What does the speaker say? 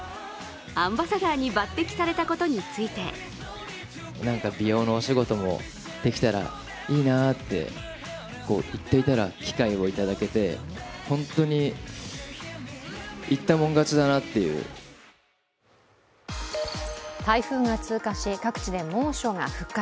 アンバサダーに抜てきされたことについて台風が通過し、各地で猛暑が復活。